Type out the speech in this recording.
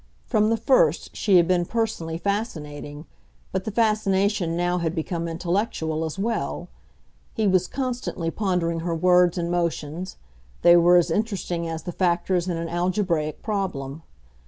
From the first she had been personally fascinating; but the fascination now had become intellectual as well. He was constantly pondering her words and motions; they were as interesting as the factors in an algebraic problem.